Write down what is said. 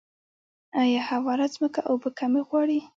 آیا هواره ځمکه اوبه کمې غواړي؟